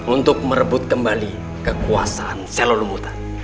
untuk merebut kembali kekuasaan selalu mutan